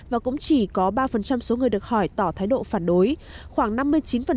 và cũng chỉ có ba số người được hỏi tỏ thái độ phản đối